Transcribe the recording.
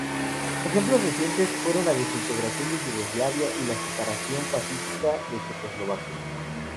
Ejemplos recientes fueron la desintegración de Yugoslavia y la separación pacífica de Checoslovaquia.